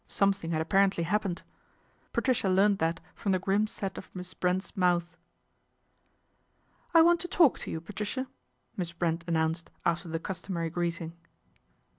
Something had apparently happened. Patricia learned that from the grim set of Miss Brent's mouth. " I want to talk to you, Patricia," Miss Brent announced after the customary greeting.